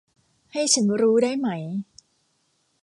ให้ฉันรู้ได้ไหม